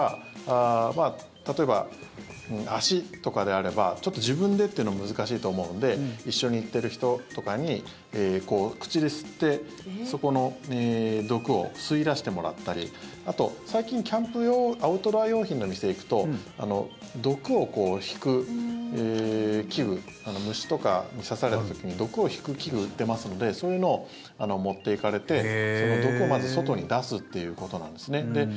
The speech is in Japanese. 例えば、足とかであればちょっと自分でというのは難しいと思うので一緒に行っている人とかに口で吸ってそこの毒を吸い出してもらったりあと最近アウトドア用品の店へ行くと毒を引く器具虫とかに刺された時に毒を引く器具を売っていますのでそういうのを持っていかれて毒をまず外に出すということなんですね。